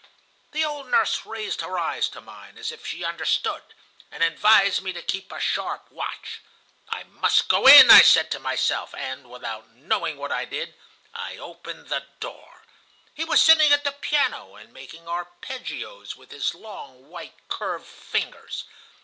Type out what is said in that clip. "The old nurse raised her eyes to mine, as if she understood, and advised me to keep a sharp watch. 'I must go in,' I said to myself, and, without knowing what I did, I opened the door. He was sitting at the piano and making arpeggios with his long, white, curved fingers.